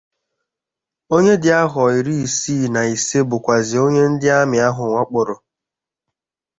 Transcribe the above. onye dị ahọ iri isii na ise bụkwàzị̀ onye ndị Amị ahụ wakpòrò